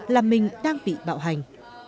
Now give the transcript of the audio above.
là mình đang bị bạo hành